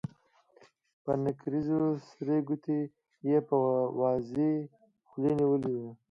په نکريزو سرې ګوتې يې په وازې خولې نيولې وې.